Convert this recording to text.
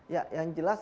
ya yang jelas